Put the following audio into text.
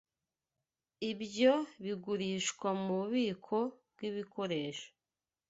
Ibyo bigurishwa mububiko bwibikoresho.